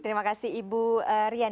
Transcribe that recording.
terima kasih ibu rian